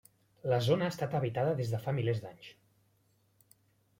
La zona ha estat habitada des de fa milers d'anys.